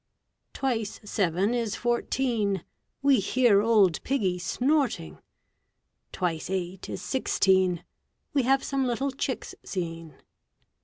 Twice seven is fourteen, We hear old Piggy snorting. Twice eight is sixteen, We have some little chicks seen.